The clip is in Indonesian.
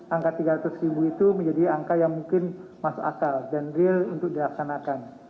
angka tiga ratus ribu itu menjadi angka yang mungkin masuk akal dan real untuk dilaksanakan